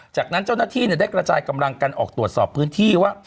จากนั้นเจ้าหน้าที่ได้กระจายกำลังกันออกตรวจสอบพื้นที่ว่า